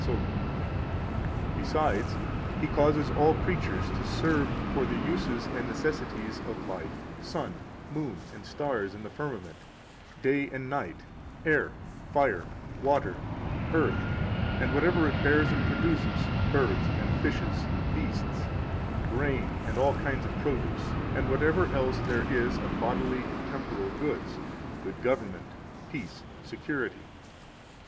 14 Besides, He causes all creatures to serve for the uses and necessities of life sun, moon, and stars in the firmament, day and night, air, fire, water, earth, and whatever it bears and produces, birds and fishes beasts, grain, and all kinds of produce, 15 and whatever else there is of bodily and temporal goods, good government, peace, security.